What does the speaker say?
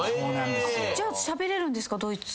じゃあしゃべれるんですか？